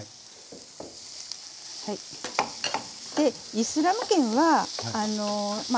イスラム圏はまあ